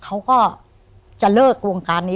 เขาก็จะเลิกวงการนี้